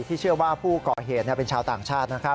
เชื่อว่าผู้ก่อเหตุเป็นชาวต่างชาตินะครับ